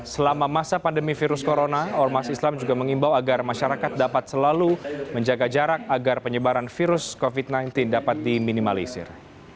selama masa pandemi virus corona ormas islam juga mengimbau agar masyarakat dapat selalu menjaga jarak agar penyebaran virus covid sembilan belas dapat diminimalisir